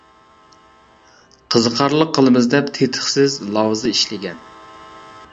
قىزىقارلىق قىلىمىز دەپ تېتىقسىز لاۋزا ئىشلىگەن.